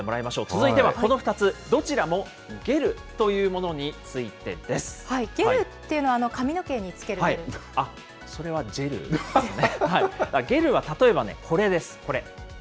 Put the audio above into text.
続いてはこの２つ、どちらもゲルゲルっていうのは、髪の毛にそれはジェルですね。